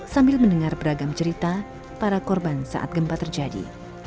sambil mendengar beragam cerita para korban saat gempa terjadi